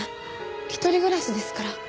一人暮らしですから。